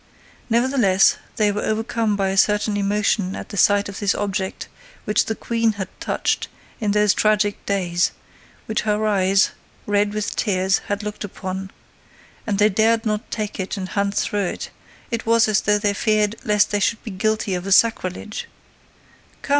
Nevertheless, they were overcome by a certain emotion at the sight of this object which the Queen had touched in those tragic days, which her eyes, red with tears, had looked upon—And they dared not take it and hunt through it: it was as though they feared lest they should be guilty of a sacrilege— "Come, M.